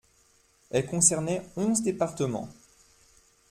Elle concernait onze départements.